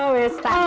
wess tak disini